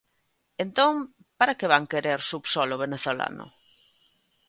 Entón para que van querer subsolo venezolano?